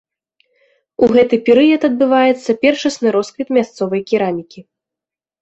У гэты перыяд адбываецца першасны росквіт мясцовай керамікі.